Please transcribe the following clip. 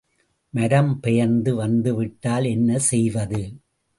மரம் பெயர்ந்து வந்துவிட்டால் என்ன செய்வது?